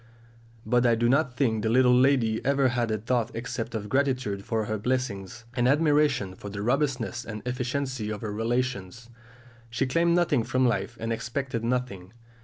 But I do not think the little lady ever had a thought except of gratitude for her blessings, and admiration for the robustness and efficiency of her relations. She claimed nothing from life and expected nothing.